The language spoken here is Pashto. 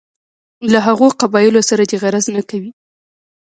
له هغو قبایلو سره دې غرض نه کوي.